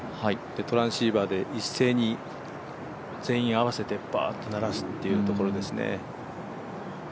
トランシーバーで一斉に全員合わせてバーッと鳴らすというところですね。